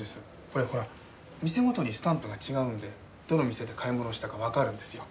これほら店ごとにスタンプが違うんでどの店で買い物をしたかわかるんですよ。